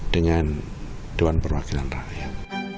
dengan dewan perwakilan rakyat